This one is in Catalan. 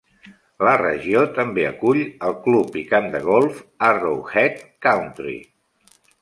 La regió també acull el club i camp de golf Arrowhead Country.